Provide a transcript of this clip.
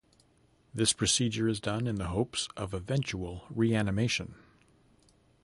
This procedure is done in the hopes of eventual reanimation.